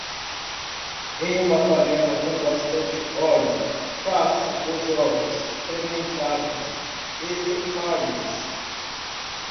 Em uma panela com bastante óleo, faça os ovos fermentados e separe-os.